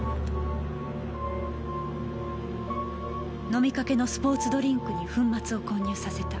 飲みかけのスポーツドリンクに粉末を混入させた。